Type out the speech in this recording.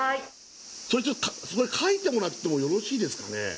それそこに書いてもらってもよろしいですかね？